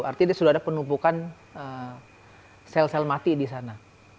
artinya sudah ada penumpukan sel sel mati di sana